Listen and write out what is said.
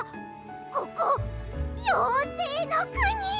ここようせいのくに！？